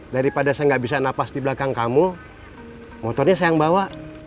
daripada saya nggak bisa napas di belakang kamu motornya saya yang bawa